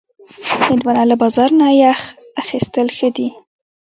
هندوانه له بازار نه یخ اخیستل ښه دي.